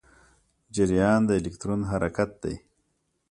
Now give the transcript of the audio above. جریان د الکترون حرکت دی.